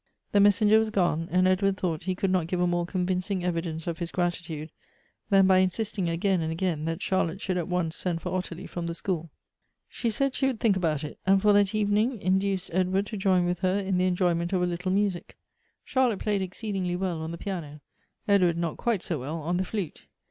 The messenger was gone; and Edward thought he could not give a more convincing evidence of his grati tude, than by insisting again and again that Charlotte should at once send for Ottilie from the school. She s.aid she would think about it ; and, for that evening, induced Edward to join with her in the enjojinent of a little mu sic. Charlotte played exceedingly well on the piano, Edward not quite so well on the flute.